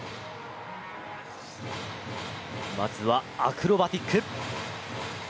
まずはアクロバティック。